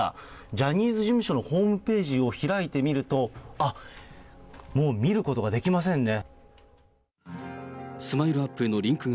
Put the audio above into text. ジャニーズ事務所のホームページを開いてみると、あっ、もう見ることができませんね。